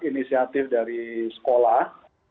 inisiatif dari sekolah